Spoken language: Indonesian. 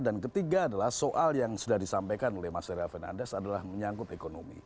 dan ketiga adalah soal yang sudah disampaikan oleh mas leria fernandez adalah menyangkut ekonomi